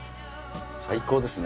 最高ですね。